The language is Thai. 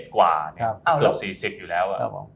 ๓๗กว่ามันก็เกือบ๔๐อยู่แล้ว